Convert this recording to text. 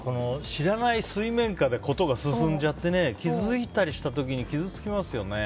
知らない水面下で事が進んじゃって気づいたときに傷つきますよね。